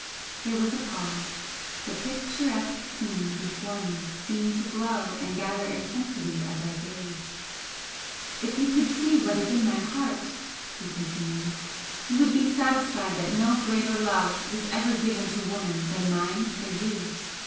There was a pause. The picturesque scene before me seemed to glow and gather intensity as I gazed. "If you could see what is in my heart," he continued "you would be satisfied that no greater love was ever given to woman than mine for you!